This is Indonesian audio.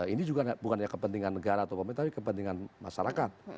ini juga bukannya kepentingan negara atau pemerintah tapi kepentingan masyarakat